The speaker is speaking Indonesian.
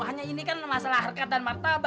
hanya ini kan masalah harga dan matang